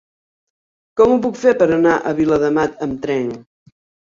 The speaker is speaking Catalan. Com ho puc fer per anar a Viladamat amb tren?